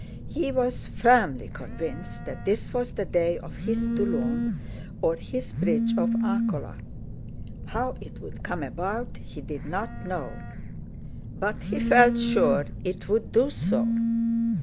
He was firmly convinced that this was the day of his Toulon, or his bridge of Arcola. How it would come about he did not know, but he felt sure it would do so.